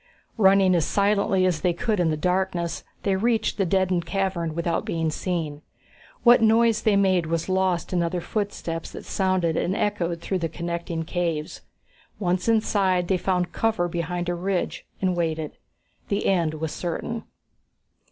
Running as silently as they could in the darkness, they reached the deadend cavern without being seen. What noise they made was lost in other footsteps that sounded and echoed through the connecting caves. Once inside, they found cover behind a ridge and waited. The end was certain.